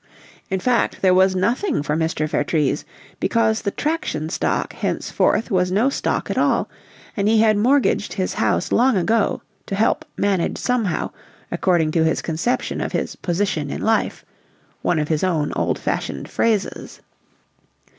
In fact, there was nothing for Mr. Vertrees, because the "traction stock" henceforth was no stock at all, and he had mortgaged his house long ago to help "manage somehow" according to his conception of his "position in life" one of his own old fashioned phrases.